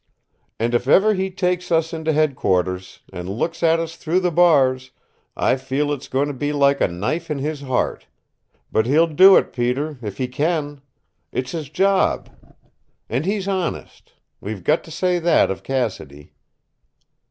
And if ever he takes us in to Headquarters, and looks at us through the bars, I feel it's going to be like a knife in his heart. But he'll do it, Peter, if he can. It's his job. And he's honest. We've got to say that of Cassidy."